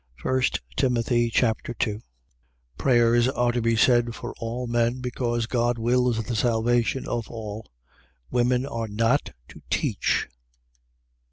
1 Timothy Chapter 2 Prayers are to be said for all men, because God wills the salvation of all. Women are not to teach.